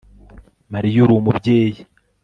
mariy'ur'umubyeyi